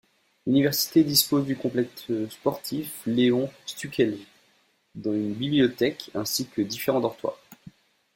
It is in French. L'université dispose du complexe sportif Leon Štukelj, d'une bibliothèque ainsi que différents dortoirs.